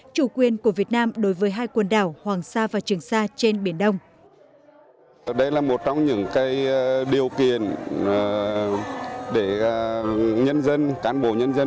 chủ quyền của việt nam đối với hai quần đảo hoàng sa và trường sa trên biển đông